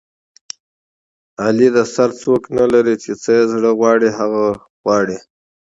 علي د سر څوک نه لري چې څه یې زړه و غواړي هغه غواړي.